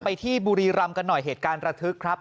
ที่บุรีรำกันหน่อยเหตุการณ์ระทึกครับ